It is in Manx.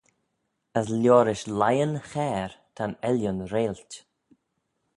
As liorish leighyn chair ta'n Ellan reilt.